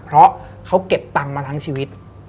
เพราะเขาเก็บตังค์มาทั้งชีวิต